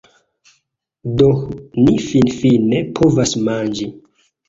Do, ni finfine povas manĝi